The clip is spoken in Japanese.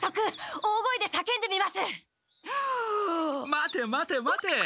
待て待て待て。